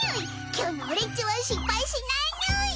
今日の俺っちは失敗しないにゅい！